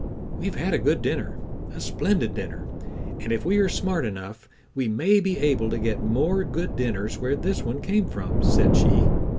"We've had a good dinner, a splendid dinner, and if we are smart enough we may be able to get more good dinners where this one came from," said she.